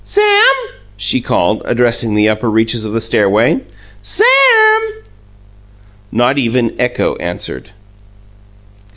"Sam!" she called, addressing the upper reaches of the stairway. "Sam!" Not even echo answered.